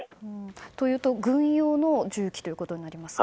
というと、軍用の銃器ということになりますか。